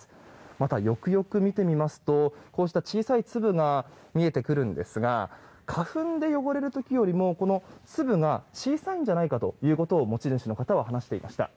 また、よくよく見てみますと小さい粒が見えてくるんですが花粉で汚れる時よりも粒が小さいんじゃないかと持ち主の方は話していました。